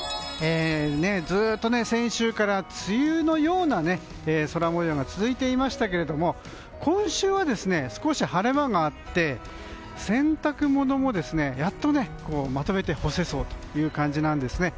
ずっと先週から梅雨のような空模様が続いていましたけれども今週は、少し晴れ間があって、洗濯物もやっとまとめて干せそうという感じです。